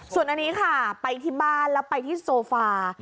ส่วนอันนี้ค่ะไปที่บ้านแล้วไปที่โซฟา